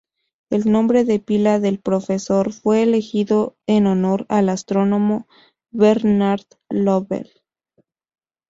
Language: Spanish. El nombre de pila del Profesor fue elegido en honor al astrónomo Bernard Lovell.